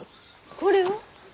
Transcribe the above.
これは？